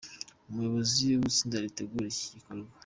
Umuyobozi w’itsinda ritegura iki gikorwa.